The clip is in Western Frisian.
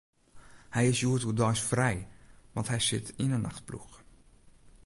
Hy is hjoed oerdeis frij, want hy sit yn 'e nachtploech.